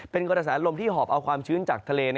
เป็นกระแสลมที่หอบเอาความชื้นจากทะเล